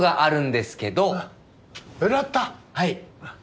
はい。